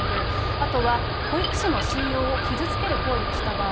あとは保育士の信用を傷つける行為をした場合。